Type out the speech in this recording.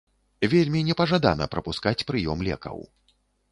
Вельмі непажадана прапускаць прыём лекаў.